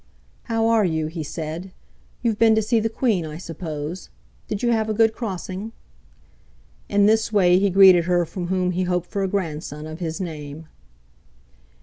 "How are you?" he said. "You've been to see the Queen, I suppose? Did you have a good crossing?" In this way he greeted her from whom he hoped for a grandson of his name.